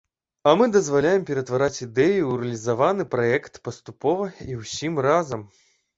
А мы дазваляем ператвараць ідэю ў рэалізаваны праект паступова і ўсім разам.